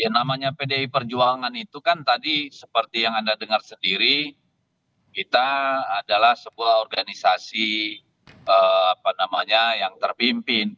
namanya pdi perjuangan itu kan tadi seperti yang anda dengar sendiri kita adalah sebuah organisasi yang terpimpin